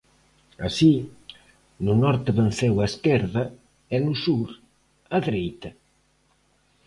Así, no norte venceu a esquerda e no sur a dereita.